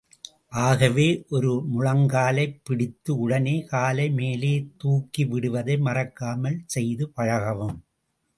ஆகவே, ஒரு முழங்காலைப் பிடித்த உடனே காலை மேலே தூக்கி விடுவதை மறக்காமல் செய்து பழகவும்.